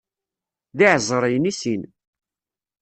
D iεeẓriyen i sin.